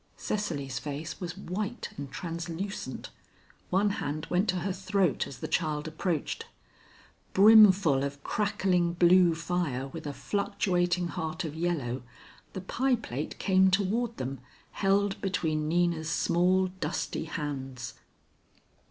Cecily's face was white and translucent, one hand went to her throat as the child approached. Brimfull of crackling blue fire with a fluctuating heart of yellow, the pie plate came toward them, held between Nina's small, dusty hands.